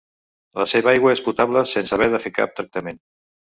La seva aigua és potable sense haver de fer cap tractament.